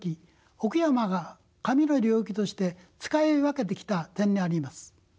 奥山が神の領域として使い分けてきた点にあります。